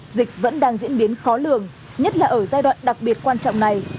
dịch vẫn đang diễn biến khó lường nhất là ở giai đoạn đặc biệt quan trọng này